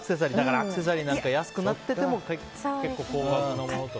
アクセサリーなんか安くなってても結構高額のものとか。